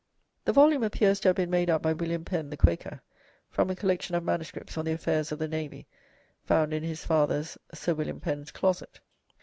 The volume appears to have been made up by William Penn the Quaker, from a collection of manuscripts on the affairs of the navy found in his father's, "Sir William Penn's closet."